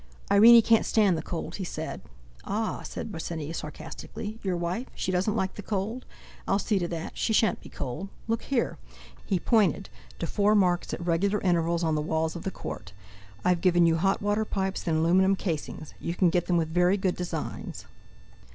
"Irene can't stand the cold!" he said. "Ah!" said Bosinney sarcastically. "Your wife? She doesn't like the cold? I'll see to that; she shan't be cold. Look here!" he pointed, to four marks at regular intervals on the walls of the court. "I've given you hot water pipes in aluminium casings; you can get them with very good designs."